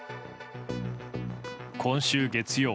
今週月曜